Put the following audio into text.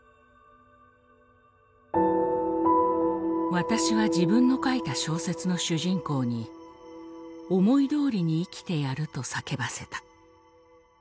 「私は自分の書いた小説の主人公に思い通りに生きてやると叫ばせた」。